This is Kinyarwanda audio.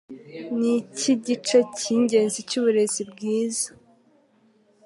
Niki gice cyingenzi cyuburezi bwiza?